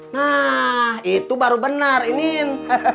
nah itu baru benar i nin